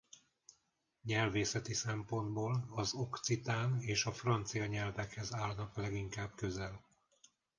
Nyelvészeti szempontból az okcitán és a francia nyelvekhez állnak leginkább közel.